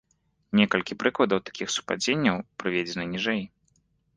Некалькі прыкладаў такіх супадзенняў прыведзена ніжэй.